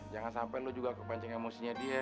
jangan sampai lu juga kepancing emosinya dia